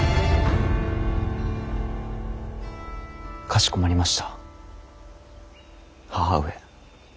かしこまりました母上。